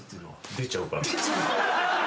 出ちゃうから。